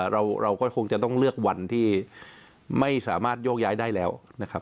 เราก็คงจะต้องเลือกวันที่ไม่สามารถโยกย้ายได้แล้วนะครับ